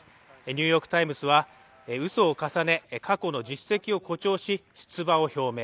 「ニューヨーク・タイムズ」は、うそを重ね、過去の実績を誇張し、出馬を表明。